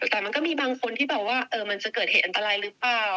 แต่มันก็มีบางคนที่แบบว่ามันจะเกิดเหตุอันตรายหรือเปล่า